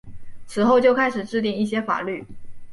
此后就开始制定一些法律。